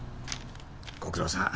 ご苦労さん。